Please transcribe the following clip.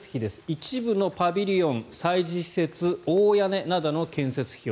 一部のパビリオン、催事施設大屋根などの建設費用